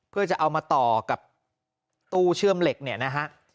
เพื่อจะเอามาต่อกับตู้เชื่อมเหล็กเนี่ยนะฮะ